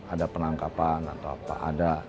ada penangkapan atau apa ada